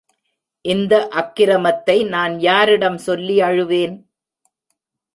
இந்த அக்ரமத்தை நான் யாரிடம் சொல்லி அழுவேன்!